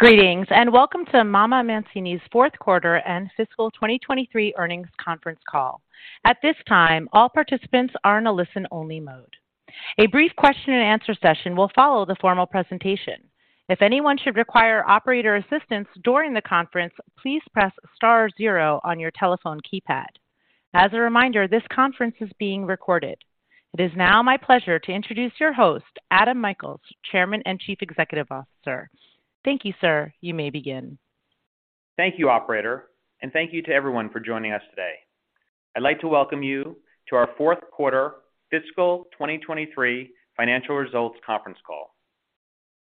Greetings, welcome to MamaMancini's Fourth Quarter and Fiscal 2023 Earnings Conference Call. At this time, all participants are in a listen-only mode. A brief question and answer session will follow the formal presentation. If anyone should require operator assistance during the conference, please press star zero on your telephone keypad. As a reminder, this conference is being recorded. It is now my pleasure to introduce your host, Adam Michaels, Chairman and Chief Executive Officer. Thank you, sir. You may begin. Thank you, operator, and thank you to everyone for joining us today. I'd like to welcome you to our Fourth Quarter Fiscal 2023 Financial Results Conference Call.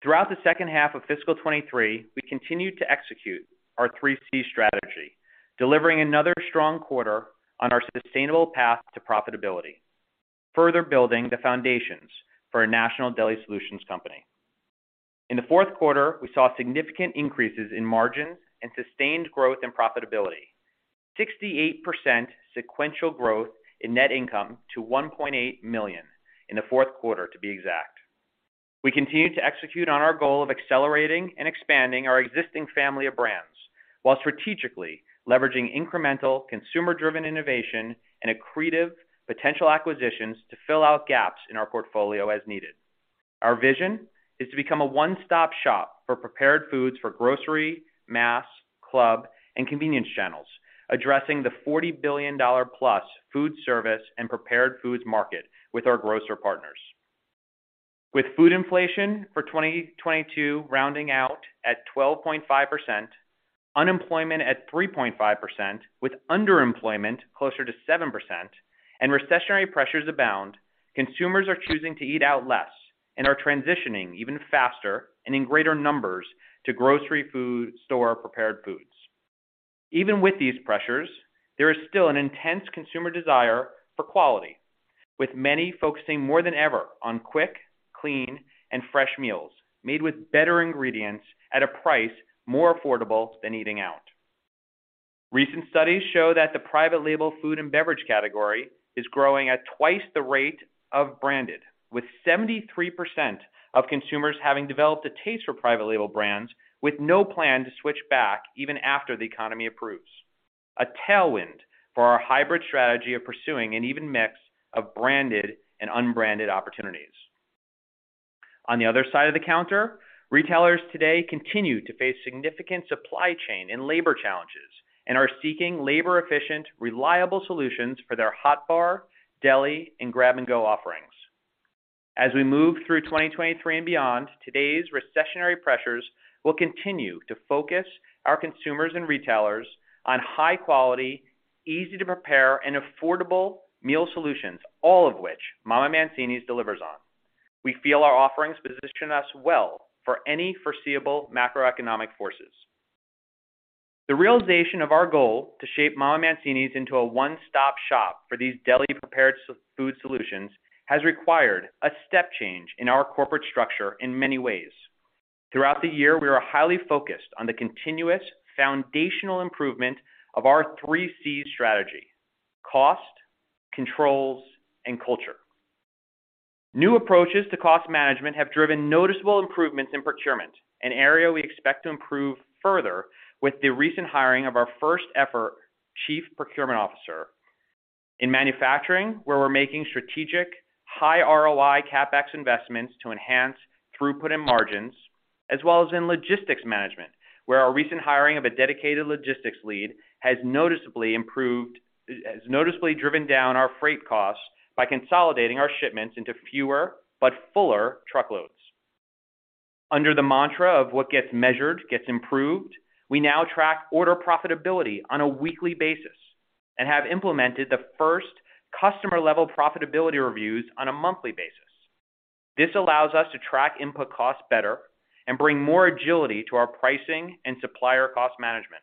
Throughout the second half of fiscal 2023, we continued to execute our 3C strategy, delivering another strong quarter on our sustainable path to profitability, further building the foundations for a national deli solutions company. In the fourth quarter, we saw significant increases in margins and sustained growth and profitability. 68% sequential growth in net income to $1.8 million in the fourth quarter, to be exact. We continued to execute on our goal of accelerating and expanding our existing family of brands, while strategically leveraging incremental consumer-driven innovation and accretive potential acquisitions to fill out gaps in our portfolio as needed. Our vision is to become a one-stop shop for prepared foods for grocery, mass, club, and convenience channels, addressing the $40 billion plus food service and prepared foods market with our grocer partners. With food inflation for 2022 rounding out at 12.5%, unemployment at 3.5%, with underemployment closer to 7%, Recessionary pressures abound, consumers are choosing to eat out less and are transitioning even faster and in greater numbers to grocery food store prepared foods. Even with these pressures, there is still an intense consumer desire for quality, with many focusing more than ever on quick, clean, and fresh meals made with better ingredients at a price more affordable than eating out. Recent studies show that the private label food and beverage category is growing at twice the rate of branded, with 73% of consumers having developed a taste for private label brands with no plan to switch back even after the economy approves. A tailwind for our hybrid strategy of pursuing an even mix of branded and unbranded opportunities. On the other side of the counter, retailers today continue to face significant supply chain and labor challenges and are seeking labor-efficient, reliable solutions for their hot bar, deli, and grab-and-go offerings. As we move through 2023 and beyond, today's recessionary pressures will continue to focus our consumers and retailers on high quality, easy-to-prepare, and affordable meal solutions, all of MamaMancini's delivers on. We feel our offerings position us well for any foreseeable macroeconomic forces. The realization of our goal to MamaMancini's into a one-stop shop for these deli-prepared food solutions has required a step change in our corporate structure in many ways. Throughout the year, we are highly focused on the continuous foundational improvement of our 3C strategy: cost, controls, and culture. New approaches to cost management have driven noticeable improvements in procurement, an area we expect to improve further with the recent hiring of our first-ever chief procurement officer. In manufacturing, where we're making strategic high ROI CapEx investments to enhance throughput and margins, as well as in logistics management, where our recent hiring of a dedicated logistics lead has noticeably driven down our freight costs by consolidating our shipments into fewer but fuller truckloads. Under the mantra of what gets measured gets improved, we now track order profitability on a weekly basis and have implemented the first customer-level profitability reviews on a monthly basis. This allows us to track input costs better and bring more agility to our pricing and supplier cost management.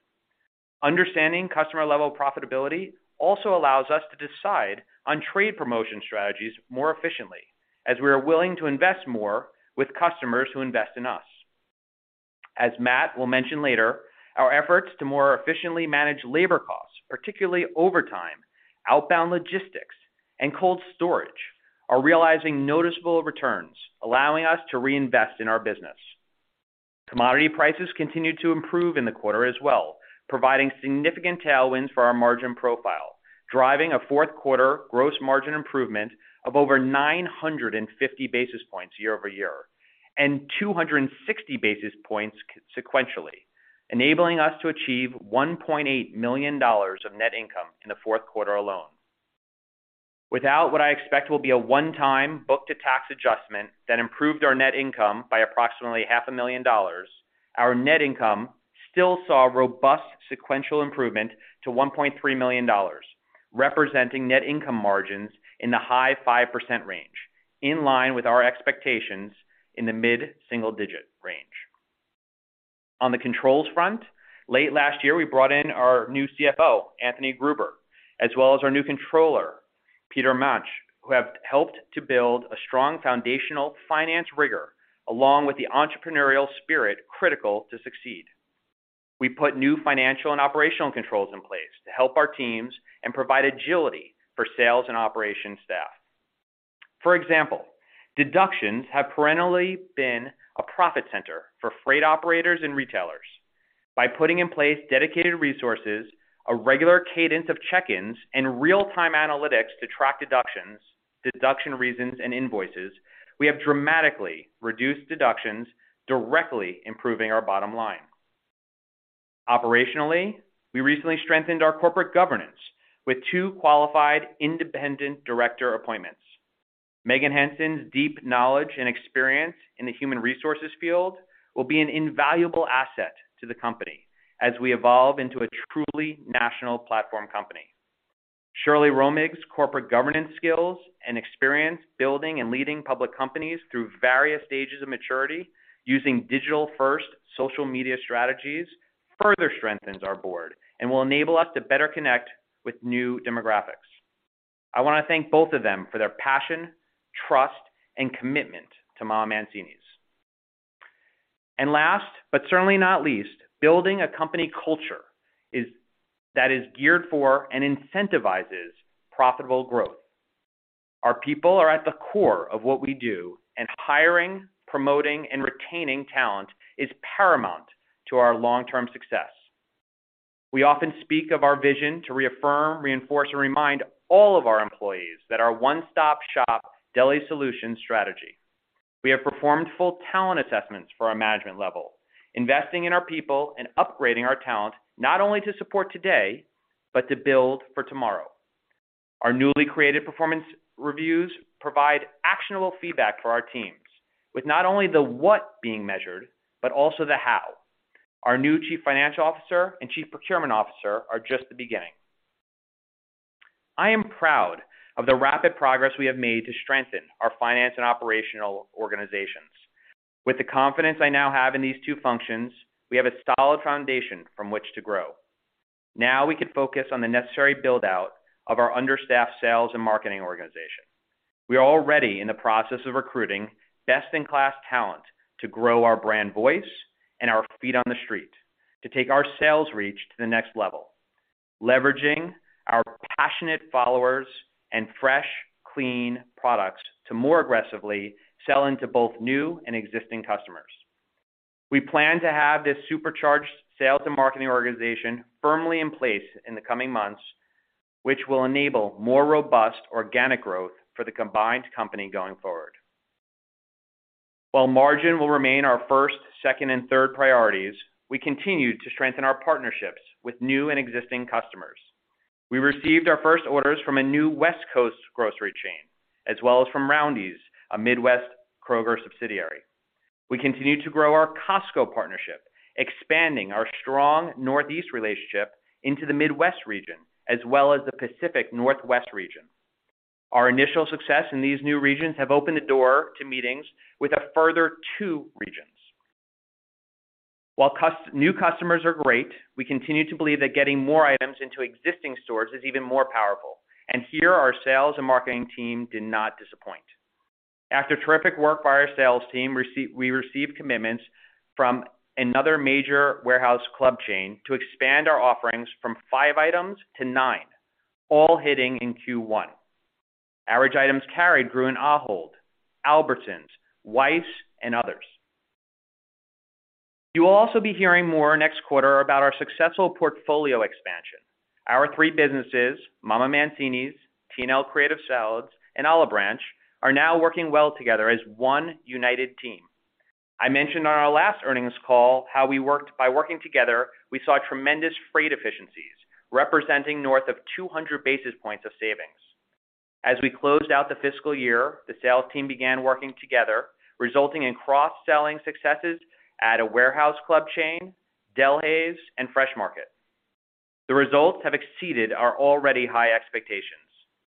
Understanding customer-level profitability also allows us to decide on trade promotion strategies more efficiently as we are willing to invest more with customers who invest in us. As Matt will mention later, our efforts to more efficiently manage labor costs, particularly overtime, outbound logistics, and cold storage, are realizing noticeable returns, allowing us to reinvest in our business. Commodity prices continued to improve in the quarter as well, providing significant tailwinds for our margin profile, driving a fourth quarter gross margin improvement of over 950 basis points year-over-year, and 260 basis points sequentially, enabling us to achieve $1.8 million of net income in the fourth quarter alone. Without what I expect will be a one-time book-to-tax adjustment that improved our net income by approximately half a million dollars, our net income still saw robust sequential improvement to $1.3 million, representing net income margins in the high 5% range, in line with our expectations in the mid-single digit range. On the controls front, late last year, we brought in our new CFO, Anthony Gruber, as well as our new Controller, Peter Manche, who have helped to build a strong foundational finance rigor along with the entrepreneurial spirit critical to succeed. We put new financial and operational controls in place to help our teams and provide agility for sales and operations staff. For example, deductions have perennially been a profit center for freight operators and retailers. By putting in place dedicated resources, a regular cadence of check-ins, and real-time analytics to track deductions, deduction reasons, and invoices, we have dramatically reduced deductions, directly improving our bottom line. Operationally, we recently strengthened our corporate governance with two qualified Independent Director appointments. Meghan Henson's deep knowledge and experience in the human resources field will be an invaluable asset to the company as we evolve into a truly national platform company. Shirley Romig's corporate governance skills and experience building and leading public companies through various stages of maturity using digital-first social media strategies further strengthens our board and will enable us to better connect with new demographics. I wanna thank both of them for their passion, trust, and commitment MamaMancini's. last, but certainly not least, building a company culture that is geared for and incentivizes profitable growth. Our people are at the core of what we do, and hiring, promoting, and retaining talent is paramount to our long-term success. We often speak of our vision to reaffirm, reinforce, and remind all of our employees that our one-stop-shop deli solutions strategy. We have performed full talent assessments for our management level, investing in our people and upgrading our talent, not only to support today, but to build for tomorrow. Our newly created performance reviews provide actionable feedback for our teams with not only the what being measured, but also the how. Our new Chief Financial Officer and Chief Procurement Officer are just the beginning. I am proud of the rapid progress we have made to strengthen our finance and operational organizations. With the confidence I now have in these two functions, we have a solid foundation from which to grow. Now we can focus on the necessary build-out of our understaffed sales and marketing organization. We are already in the process of recruiting best-in-class talent to grow our brand voice and our feet on the street to take our sales reach to the next level, leveraging our passionate followers and fresh, clean products to more aggressively sell into both new and existing customers. We plan to have this supercharged sales and marketing organization firmly in place in the coming months, which will enable more robust organic growth for the combined company going forward. While margin will remain our first, second, and third priorities, we continue to strengthen our partnerships with new and existing customers. We received our first orders from a new West Coast grocery chain, as well as from Roundy's, a Midwest Kroger subsidiary. We continue to grow our Costco partnership, expanding our strong Northeast relationship into the Midwest region, as well as the Pacific Northwest region. Our initial success in these new regions have opened the door to meetings with a further two regions. While new customers are great, we continue to believe that getting more items into existing stores is even more powerful, here our sales and marketing team did not disappoint. After terrific work by our sales team, we received commitments from another major warehouse club chain to expand our offerings from five items to nine, all hitting in Q1. Average items carried grew in Ahold, Albertsons, Weis, and others. You will also be hearing more next quarter about our successful portfolio expansion. Our three MamaMancini's, T&L Creative Salads, and Olive Branch, are now working well together as one united team. I mentioned on our last earnings call how by working together, we saw tremendous freight efficiencies, representing north of 200 basis points of savings. As we closed out the fiscal year, the sales team began working together, resulting in cross-selling successes at a warehouse club chain, Delhaize, and Fresh Market. The results have exceeded our already high expectations.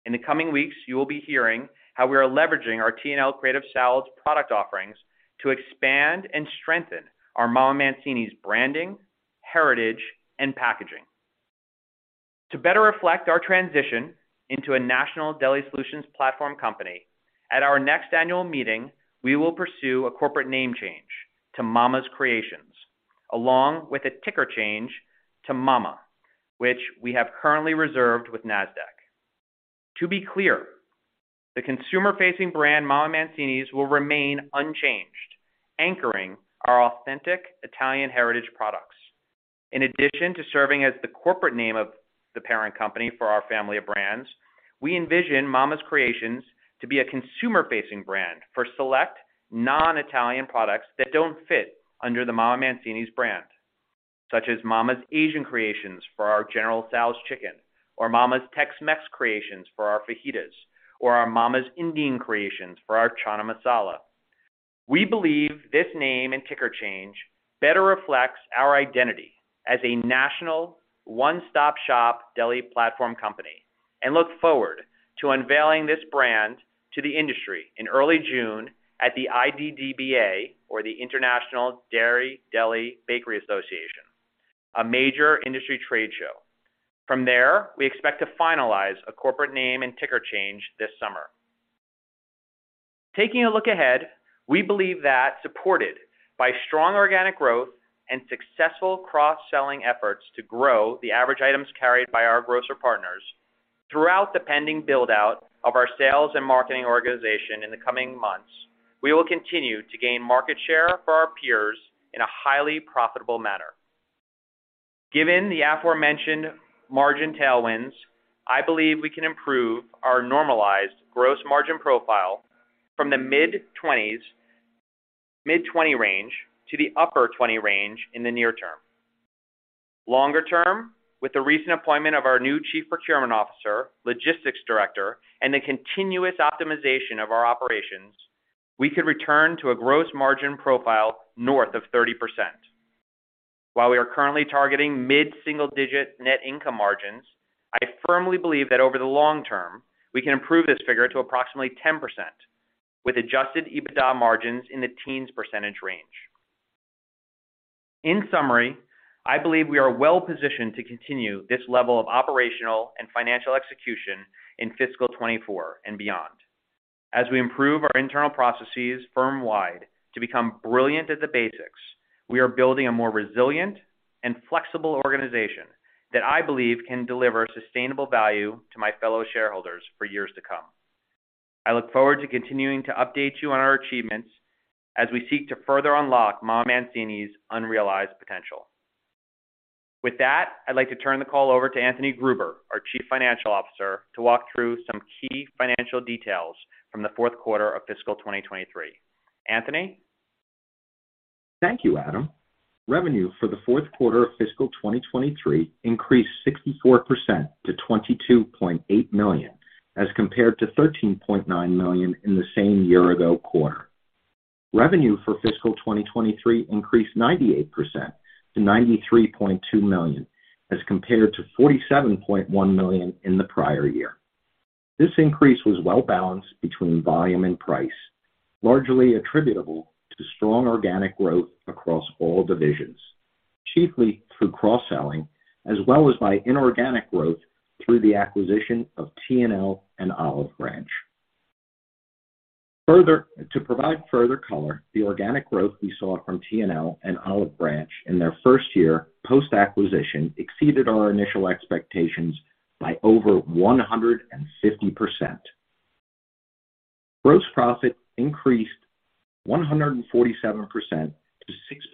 In the coming weeks, you will be hearing how we are leveraging our T&L Creative Salads product offerings to expand and strengthen MamaMancini's branding, heritage, and packaging. To better reflect our transition into a national deli solutions platform company, at our next annual meeting, we will pursue a corporate name change to Mama's Creations, along with a ticker change to MAMA, which we have currently reserved with Nasdaq. To be clear, the consumer-facing brand MamaMancini's will remain unchanged, anchoring our authentic Italian heritage products. In addition to serving as the corporate name of the parent company for our family of brands, we envision Mama's Creations to be a consumer-facing brand for select non-Italian products that don't fit under the MamaMancini's brand, such as Mama's Asian Creations for our General Tso's Chicken, or Mama's Tex-Mex Creations for our fajitas, or our Mama's Indian Creations for our Chana Masala. We believe this name and ticker change better reflects our identity as a national one-stop shop deli platform company and look forward to unveiling this brand to the industry in early June at the IDDBA, or the International Dairy Deli Bakery Association, a major industry trade show. From there, we expect to finalize a corporate name and ticker change this summer. Taking a look ahead, we believe that supported by strong organic growth and successful cross-selling efforts to grow the average items carried by our grocer partners throughout the pending build-out of our sales and marketing organization in the coming months, we will continue to gain market share for our peers in a highly profitable manner. Given the aforementioned margin tailwinds, I believe we can improve our normalized gross margin profile from the mid-20s, mid-20 range to the upper 20 range in the near term. Longer term, with the recent appointment of our new Chief Procurement Officer, logistics director, and the continuous optimization of our operations, we could return to a gross margin profile north of 30%. While we are currently targeting mid-single-digit net income margins, I firmly believe that over the long term, we can improve this figure to approximately 10%, with Adjusted EBITDA margins in the teens percentage range. In summary, I believe we are well-positioned to continue this level of operational and financial execution in fiscal 2024 and beyond. As we improve our internal processes firm-wide to become brilliant at the basics, we are building a more resilient and flexible organization that I believe can deliver sustainable value to my fellow shareholders for years to come. I look forward to continuing to update you on our achievements as we seek to further unlock MamaMancini's unrealized potential. I'd like to turn the call over to Anthony Gruber, our Chief Financial Officer, to walk through some key financial details from the fourth quarter of fiscal 2023. Anthony. Thank you, Adam. Revenue for the fourth quarter of fiscal 2023 increased 64% to $22.8 million as compared to $13.9 million in the same year-ago quarter. Revenue for fiscal 2023 increased 98% to $93.2 million as compared to $47.1 million in the prior year. This increase was well balanced between volume and price, largely attributable to strong organic growth across all divisions, chiefly through cross-selling as well as by inorganic growth through the acquisition of T&L and Olive Branch. To provide further color, the organic growth we saw from T&L and Olive Branch in their first year post-acquisition exceeded our initial expectations by over 150%. Gross profit increased 147% to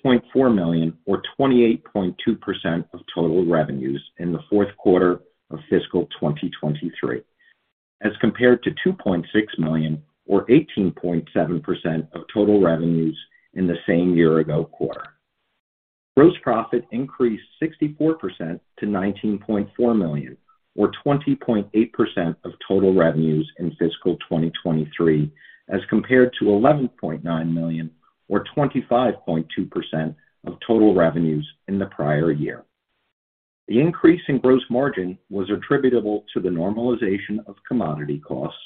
$6.4 million, or 28.2% of total revenues in the fourth quarter of fiscal 2023, as compared to $2.6 million, or 18.7% of total revenues in the same year-ago quarter. Gross profit increased 64% to $19.4 million, or 20.8% of total revenues in fiscal 2023, as compared to $11.9 million, or 25.2% of total revenues in the prior year. The increase in gross margin was attributable to the normalization of commodity costs,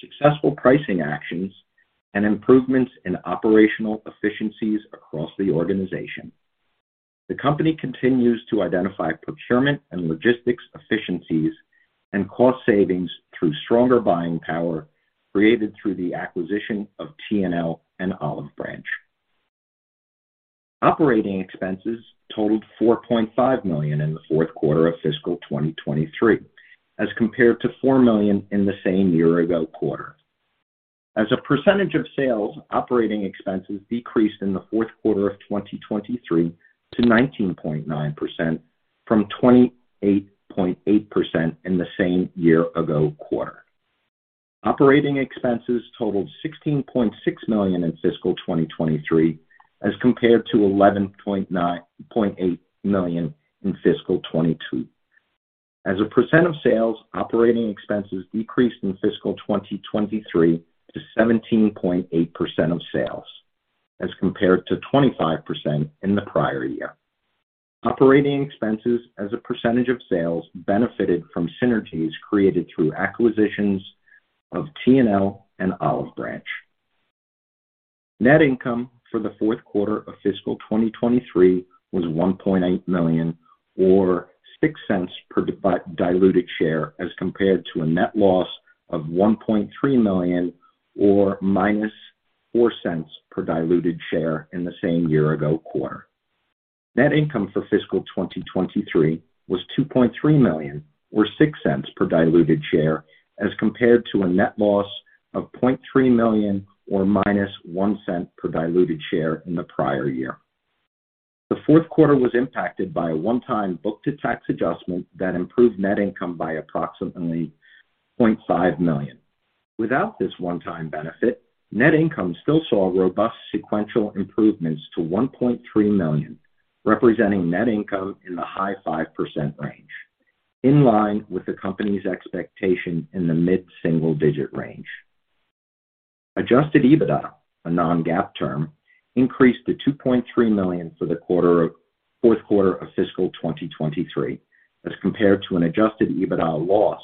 successful pricing actions, and improvements in operational efficiencies across the organization. The company continues to identify procurement and logistics efficiencies and cost savings through stronger buying power created through the acquisition of T&L and Olive Branch. Operating expenses totaled $4.5 million in the fourth quarter of fiscal 2023, as compared to $4 million in the same year-ago quarter. As a percentage of sales, Operating expenses decreased in the fourth quarter of 2023 to 19.9% from 28.8% in the same year-ago quarter. Operating expenses totaled $16.6 million in fiscal 2023, as compared to $11.8 million in fiscal 2022. As a percent of sales, Operating expenses decreased in fiscal 2023 to 17.8% of sales as compared to 25% in the prior year. Operating expenses as a percentage of sales benefited from synergies created through acquisitions of T&L and Olive Branch. Net income for the fourth quarter of fiscal 2023 was $1.8 million, or $0.06 per diluted share, as compared to a net loss of $1.3 million, or -$0.04 per diluted share in the same year ago quarter. Net income for fiscal 2023 was $2.3 million, or $0.06 per diluted share, as compared to a net loss of $0.3 million, or -$0.01 per diluted share in the prior year. The fourth quarter was impacted by a one-time book-to-tax adjustment that improved net income by approximately $0.5 million. Without this one-time benefit, net income still saw robust sequential improvements to $1.3 million, representing net income in the high 5% range, in line with the company's expectation in the mid-single digit range. Adjusted EBITDA, a non-GAAP term, increased to $2.3 million for the fourth quarter of fiscal 2023, as compared to an Adjusted EBITDA loss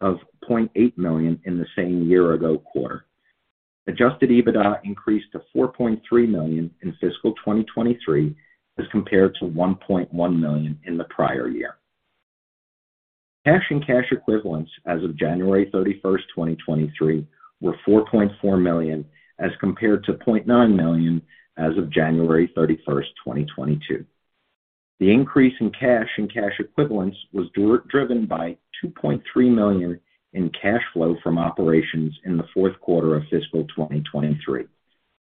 of $0.8 million in the same year ago quarter. Adjusted EBITDA increased to $4.3 million in fiscal 2023, as compared to $1.1 million in the prior year. Cash and cash equivalents as of January 31st, 2023 were $4.4 million as compared to $0.9 million as of January 31st, 2022. The increase in cash and cash equivalents was driven by $2.3 million in cash flow from operations in the fourth quarter of fiscal 2023.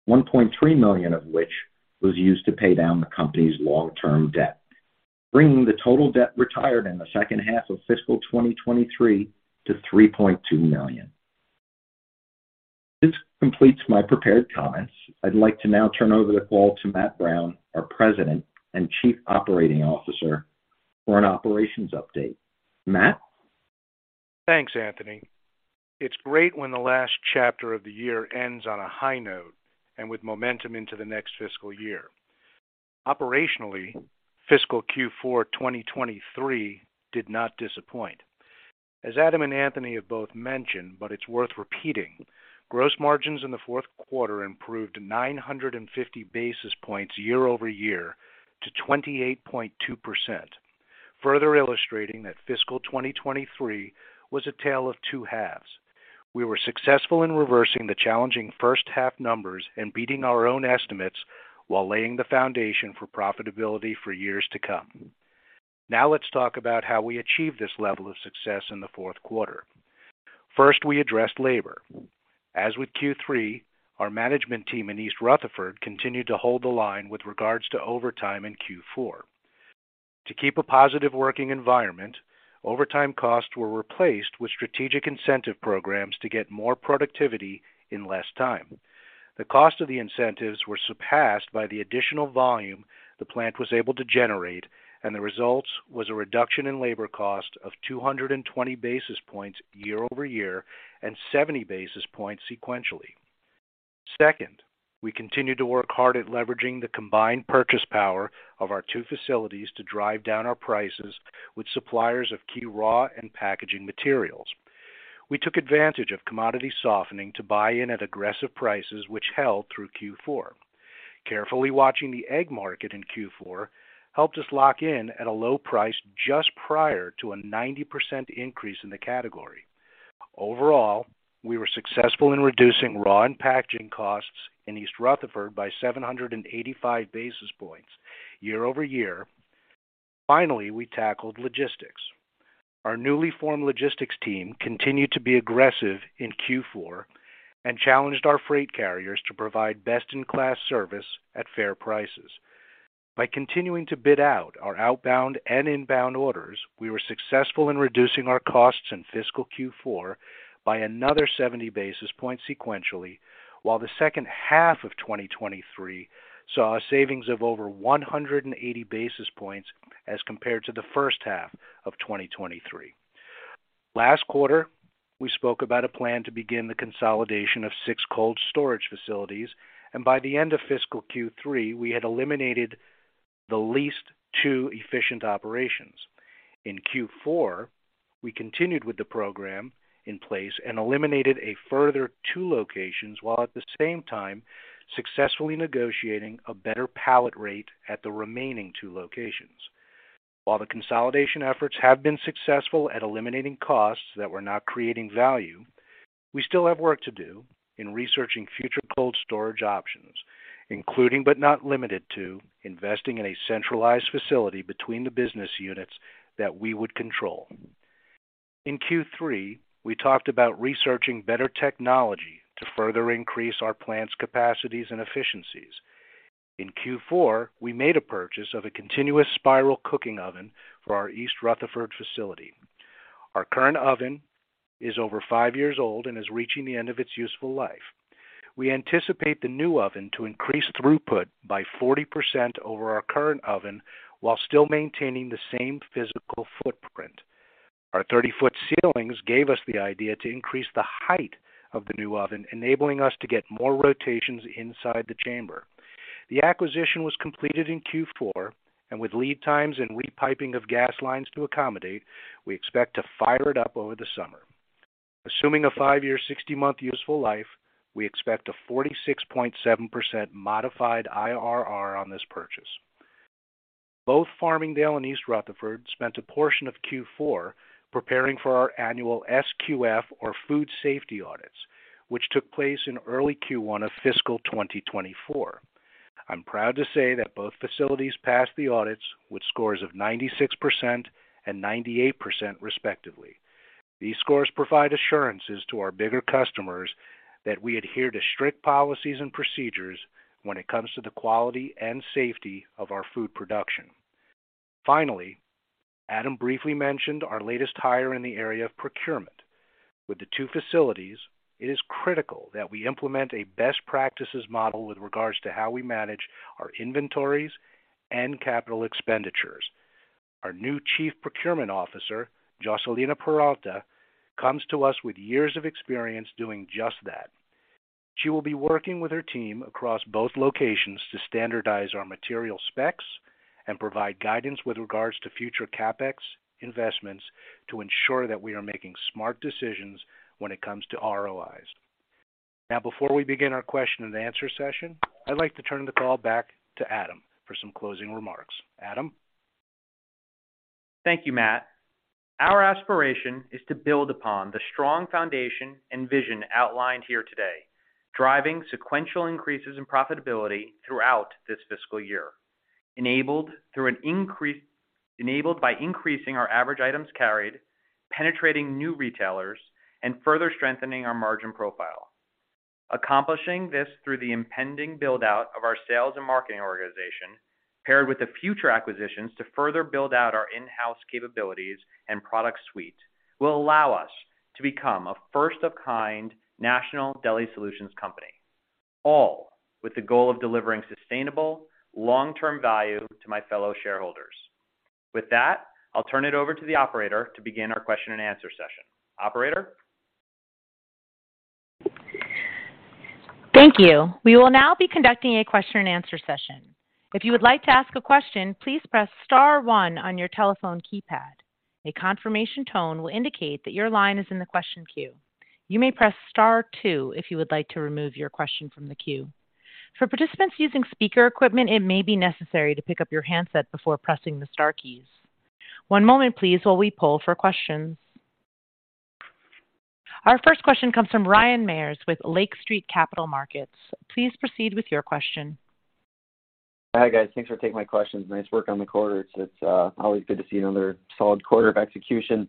$1.3 million of which was used to pay down the company's long-term debt, bringing the total debt retired in the second half of fiscal 2023 to $3.2 million. This completes my prepared comments. I'd like to now turn over the call to Matt Brown, our President and Chief Operating Officer, for an operations update. Matt? Thanks, Anthony. It's great when the last chapter of the year ends on a high note and with momentum into the next fiscal year. Operationally, fiscal Q4 2023 did not disappoint. As Adam and Anthony have both mentioned, but it's worth repeating, gross margins in the fourth quarter improved 950 basis points year-over-year to 28.2%. Further illustrating that fiscal 2023 was a tale of two halves. We were successful in reversing the challenging first half numbers and beating our own estimates while laying the foundation for profitability for years to come. Let's talk about how we achieved this level of success in the fourth quarter. First, we addressed labor. As with Q3, our management team in East Rutherford continued to hold the line with regards to overtime in Q4. To keep a positive working environment, overtime costs were replaced with strategic incentive programs to get more productivity in less time. The cost of the incentives were surpassed by the additional volume the plant was able to generate, and the results was a reduction in labor cost of 220 basis points year-over-year, and 70 basis points sequentially. Second, we continued to work hard at leveraging the combined purchase power of our two facilities to drive down our prices with suppliers of key raw and packaging materials. We took advantage of commodity softening to buy in at aggressive prices, which held through Q4. Carefully watching the egg market in Q4 helped us lock in at a low price just prior to a 90% increase in the category. Overall, we were successful in reducing raw and packaging costs in East Rutherford by 785 basis points year-over-year. We tackled logistics. Our newly formed logistics team continued to be aggressive in Q4 and challenged our freight carriers to provide best-in-class service at fair prices. By continuing to bid out our outbound and inbound orders, we were successful in reducing our costs in fiscal Q4 by another 70 basis points sequentially, while the second half of 2023 saw a savings of over 180 basis points as compared to the first half of 2023. Last quarter, we spoke about a plan to begin the consolidation of six cold storage facilities, and by the end of fiscal Q3, we had eliminated the least two efficient operations. In Q4, we continued with the program in place and eliminated a further two locations, while at the same time successfully negotiating a better pallet rate at the remaining two locations. While the consolidation efforts have been successful at eliminating costs that were not creating value, we still have work to do in researching future cold storage options, including, but not limited to investing in a centralized facility between the business units that we would control. In Q3, we talked about researching better technology to further increase our plants capacities and efficiencies. In Q4, we made a purchase of a continuous spiral cooking oven for our East Rutherford facility. Our current oven is over five years old and is reaching the end of its useful life. We anticipate the new oven to increase throughput by 40% over our current oven while still maintaining the same physical footprint. Our 30 ft ceilings gave us the idea to increase the height of the new oven, enabling us to get more rotations inside the chamber. The acquisition was completed in Q4 and with lead times and repiping of gas lines to accommodate, we expect to fire it up over the summer. Assuming a five-year, 60-month useful life, we expect a 46.7% modified IRR on this purchase. Both Farmingdale and East Rutherford spent a portion of Q4 preparing for our annual SQF or food safety audits, which took place in early Q1 of fiscal 2024. I'm proud to say that both facilities passed the audits with scores of 96% and 98%, respectively. These scores provide assurances to our bigger customers that we adhere to strict policies and procedures when it comes to the quality and safety of our food production. Finally, Adam briefly mentioned our latest hire in the area of procurement. With the two facilities, it is critical that we implement a best practices model with regards to how we manage our inventories and capital expenditures. Our new Chief Procurement Officer, Joselina Peralta, comes to us with years of experience doing just that. She will be working with her team across both locations to standardize our material specs and provide guidance with regards to future CapEx investments to ensure that we are making smart decisions when it comes to ROIs. Now, before we begin our question and answer session, I'd like to turn the call back to Adam for some closing remarks. Adam? Thank you, Matt. Our aspiration is to build upon the strong foundation and vision outlined here today, driving sequential increases in profitability throughout this fiscal year, enabled by increasing our average items carried, penetrating new retailers, and further strengthening our margin profile. Accomplishing this through the impending build-out of our sales and marketing organization, paired with the future acquisitions to further build out our in-house capabilities and product suite, will allow us to become a first of kind national deli solutions company, all with the goal of delivering sustainable long-term value to my fellow shareholders. With that, I'll turn it over to the operator to begin our question and answer session. Operator? Thank you. We will now be conducting a question and answer session. If you would like to ask a question, please press star one on your telephone keypad. A confirmation tone will indicate that your line is in the question queue. You may press star two if you would like to remove your question from the queue. For participants using speaker equipment, it may be necessary to pick up your handset before pressing the star keys. One moment please while we poll for questions. Our first question comes from Ryan Meyers with Lake Street Capital Markets. Please proceed with your question. Hi, guys. Thanks for taking my questions. Nice work on the quarter. It's always good to see another solid quarter of execution.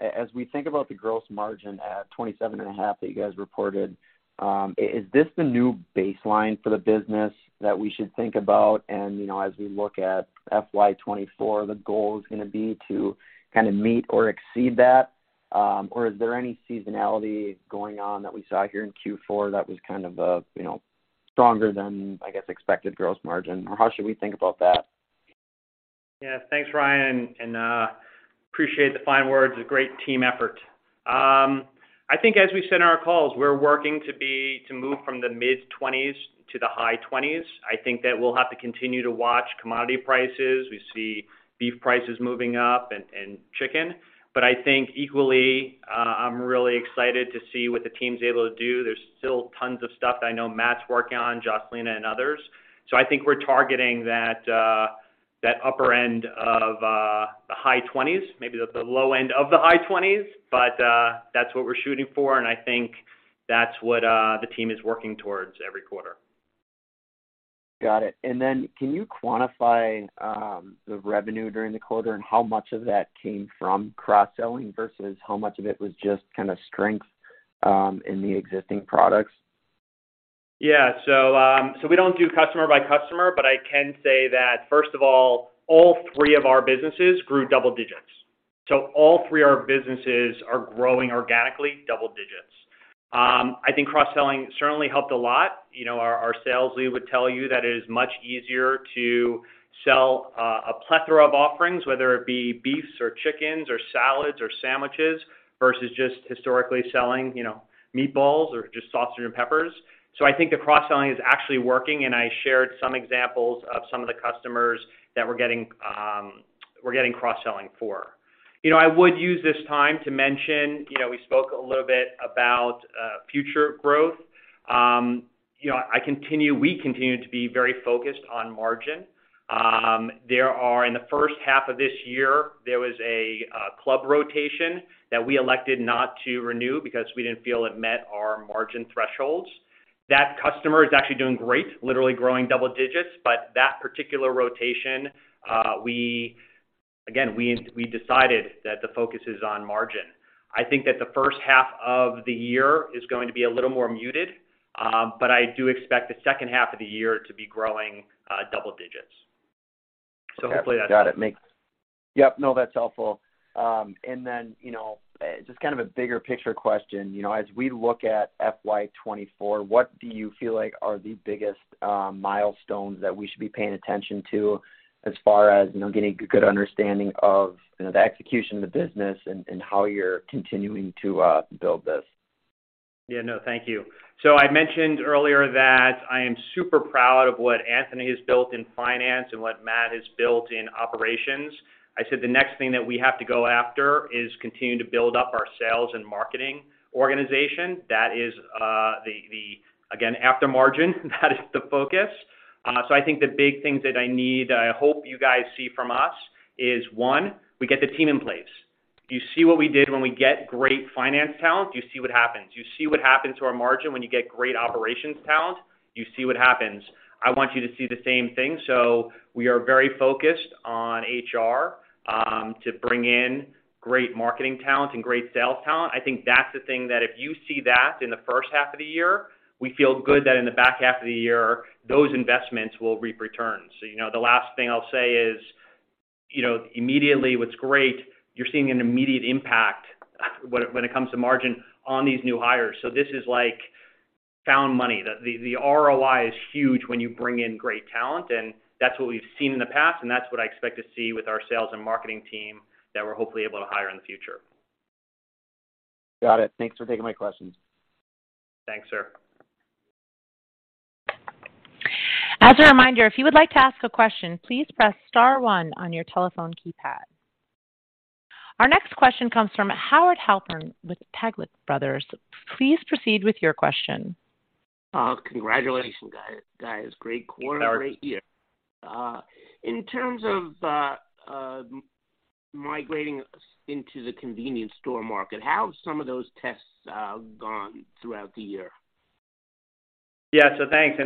As we think about the gross margin at 27.5% that you guys reported, is this the new baseline for the business that we should think about? You know, as we look at FY 2024, the goal is gonna be to kind of meet or exceed that. Is there any seasonality going on that we saw here in Q4 that was kind of a, you know, stronger than, I guess, expected gross margin, or how should we think about that? Yeah. Thanks, Ryan, appreciate the fine words. A great team effort. I think as we've said in our calls, we're working to move from the mid-20s to the high 20s. I think that we'll have to continue to watch commodity prices. We see beef prices moving up and chicken. I think equally, I'm really excited to see what the team's able to do. There's still tons of stuff that I know Matt's working on, Joselina and others. I think we're targeting that upper end of the high 20s, maybe the low end of the high 20s. That's what we're shooting for, and I think that's what the team is working towards every quarter. Got it. Can you quantify, the revenue during the quarter and how much of that came from cross-selling versus how much of it was just kind of strength, in the existing products? We don't do customer by customer, but I can say that, first of all three of our businesses grew double digits. All three of our businesses are growing organically double digits. I think cross-selling certainly helped a lot. You know, our sales lead would tell you that it is much easier to sell a plethora of offerings, whether it be beefs or chickens or salads or sandwiches versus just historically selling, you know, meatballs or just sausage and peppers. I think the cross-selling is actually working, and I shared some examples of some of the customers that we're getting, we're getting cross-selling for. You know, I would use this time to mention, you know, we spoke a little bit about future growth. You know, we continue to be very focused on margin. In the first half of this year, there was a club rotation that we elected not to renew because we didn't feel it met our margin thresholds. That customer is actually doing great, literally growing double digits. That particular rotation, we decided that the focus is on margin. I think that the first half of the year is going to be a little more muted, I do expect the second half of the year to be growing double digits. Hopefully that. Got it. Yep. That's helpful. You know, just kind of a bigger picture question. You know, as we look at FY 2024, what do you feel like are the biggest milestones that we should be paying attention to as far as, you know, getting a good understanding of, you know, the execution of the business and how you're continuing to build this? No, thank you. I mentioned earlier that I am super proud of what Anthony has built in finance and what Matt has built in operations. I said the next thing that we have to go after is continue to build up our sales and marketing organization. That is again, after margin, that is the focus. I think the big things that I need, that I hope you guys see from us is, one, we get the team in place. You see what we did when we get great finance talent, you see what happens. You see what happens to our margin when you get great operations talent. You see what happens. I want you to see the same thing. We are very focused on HR to bring in great marketing talent and great sales talent. I think that's the thing that if you see that in the first half of the year, we feel good that in the back half of the year, those investments will reap returns. You know, the last thing I'll say is, you know, immediately, what's great, you're seeing an immediate impact when it comes to margin on these new hires. This is like found money. The ROI is huge when you bring in great talent, and that's what we've seen in the past, and that's what I expect to see with our sales and marketing team that we're hopefully able to hire in the future. Got it. Thanks for taking my questions. Thanks, sir. As a reminder, if you would like to ask a question, please press star one on your telephone keypad. Our next question comes from Howard Halpern with Taglich Brothers. Please proceed with your question. Congratulations, guys. Great quarter, great year. In terms of migrating into the convenience store market, how have some of those tests gone throughout the year? Yeah. Thanks.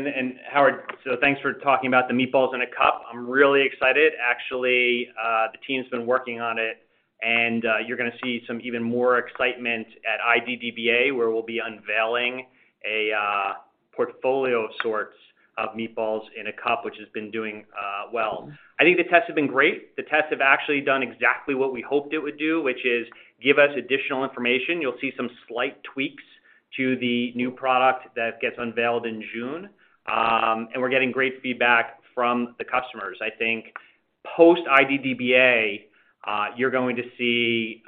Howard, thanks for talking about the Meatballs in a Cup. I'm really excited. Actually, the team's been working on it, and you're gonna see some even more excitement at IDDBA, where we'll be unveiling a portfolio of sorts of Meatballs in a Cup, which has been doing well. I think the tests have been great. The tests have actually done exactly what we hoped it would do, which is give us additional information. You'll see some slight tweaks to the new product that gets unveiled in June. We're getting great feedback from the customers. I think post-IDDBA, you're going to see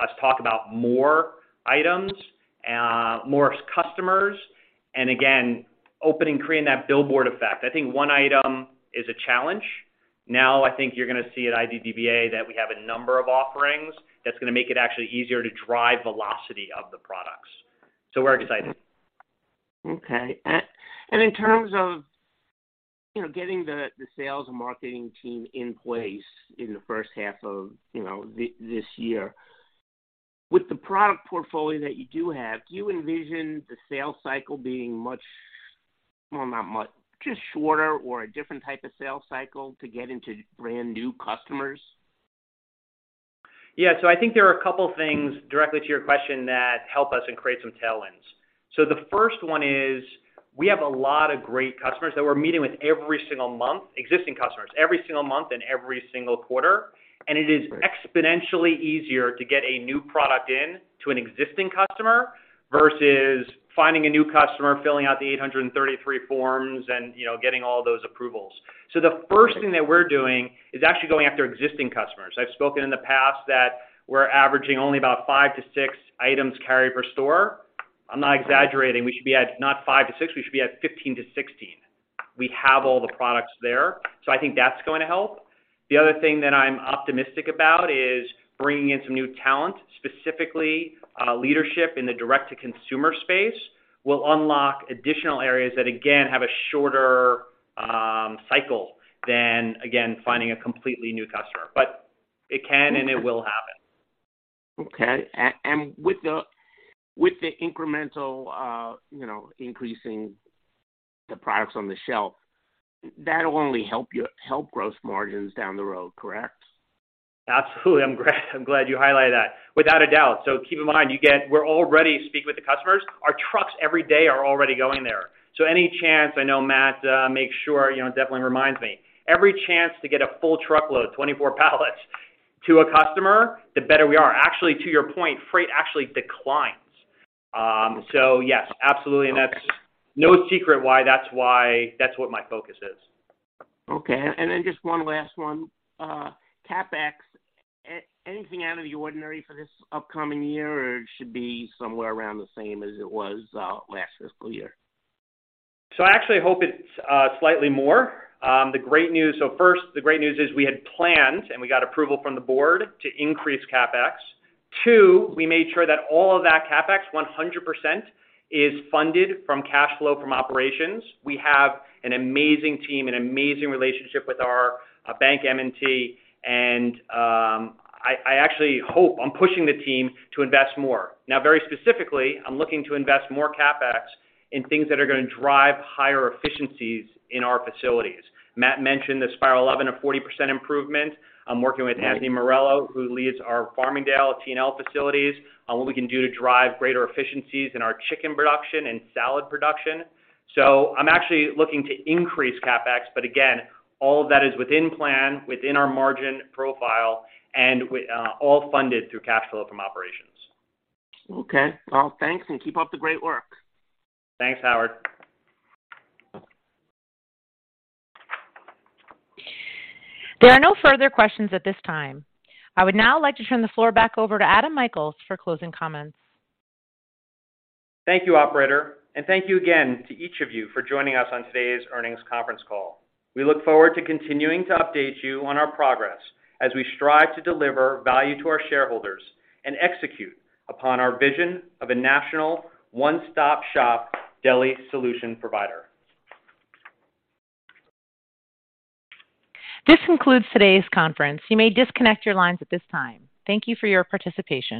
us talk about more items, more customers, and again, opening, creating that billboard effect. I think one item is a challenge. I think you're gonna see at IDDBA that we have a number of offerings that's gonna make it actually easier to drive velocity of the products. We're excited. Okay. in terms of, you know, getting the sales and marketing team in place in the first half of, you know, this year, with the product portfolio that you do have, do you envision the sales cycle being much, well, not much, just shorter or a different type of sales cycle to get into brand-new customers? I think there are a couple things directly to your question that help us and create some tailwinds. The first one is, we have a lot of great customers that we're meeting with every single month, existing customers, every single month and every single quarter. It is exponentially easier to get a new product in to an existing customer versus finding a new customer, filling out the 833 forms and, you know, getting all those approvals. The first thing that we're doing is actually going after existing customers. I've spoken in the past that we're averaging only about five to six items carried per store. I'm not exaggerating. We should be at not five to six. We should be at 15 to 16. We have all the products there. I think that's going to help. The other thing that I'm optimistic about is bringing in some new talent, specifically, leadership in the direct-to-consumer space will unlock additional areas that again have a shorter, cycle than, again, finding a completely new customer. It can and it will happen. Okay. With the, with the incremental, you know, increasing the products on the shelf, that'll only help growth margins down the road, correct? Absolutely. I'm glad you highlighted that. Without a doubt. keep in mind, we're already speaking with the customers. Our trucks every day are already going there. any chance, I know Matt makes sure, you know, definitely reminds me. Every chance to get a full truckload, 24 pallets, to a customer, the better we are. Actually, to your point, freight actually declines. yes, absolutely. That's no secret why that's why that's what my focus is. Okay. Then just one last one. CapEx, anything out of the ordinary for this upcoming year, or it should be somewhere around the same as it was last fiscal year? I actually hope it's slightly more. First, the great news is we had planned, and we got approval from the board to increase CapEx. Two, we made sure that all of that CapEx, 100% is funded from cash flow from operations. We have an amazing team, an amazing relationship with our bank M&T, and I actually hope, I'm pushing the team to invest more. Now, very specifically, I'm looking to invest more CapEx in things that are gonna drive higher efficiencies in our facilities. Matt mentioned the spiral oven, a 40% improvement. I'm working with Anthony Morello, who leads our Farmingdale T&L facilities on what we can do to drive greater efficiencies in our chicken production and salad production. I'm actually looking to increase CapEx, but again, all of that is within plan, within our margin profile and all funded through cash flow from operations. Okay. Well, thanks, and keep up the great work. Thanks, Howard. There are no further questions at this time. I would now like to turn the floor back over to Adam Michaels for closing comments. Thank you, operator. Thank you again to each of you for joining us on today's earnings conference call. We look forward to continuing to update you on our progress as we strive to deliver value to our shareholders and execute upon our vision of a national one-stop-shop deli solution provider. This concludes today's conference. You may disconnect your lines at this time. Thank you for your participation.